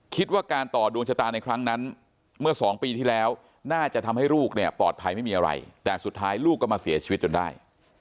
คิดว่าการต่อดวงชะตาในครั้งนั้นเมื่อสองปีที่แล้วน่าจะทำให้ลูกเนี่ยปลอดภัยไม่มีอะไรแต่สุดท้ายลูกก็มาเสียชีวิตจนได้